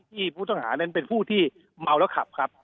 ผู้ต้องหานั้นเป็นผู้ที่เมาแล้วขับครับ